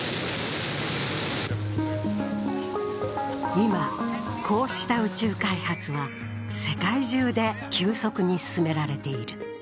今、こうした宇宙開発は世界中で急速に進められている。